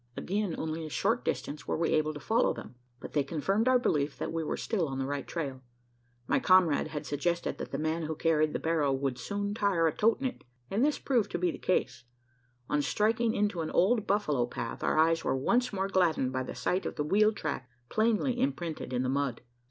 Again only a short distance were we able to follow them; but they confirmed our belief that we were still on the right trail. My comrade had suggested that the man who carried the barrow "wud soon tire o' totin' it:" and this proved to be the case. On striking into an old buffalo path, our eyes were once more gladdened by the sight of the wheel track plainly imprinted in the mud.